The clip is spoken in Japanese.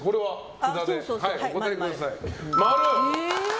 札でお答えください。